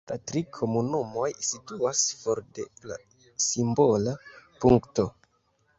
La tri komunumoj situas for de la simbola punkto.